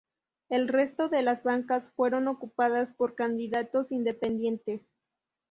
El resto de las bancas fueron ocupadas por candidatos independientes.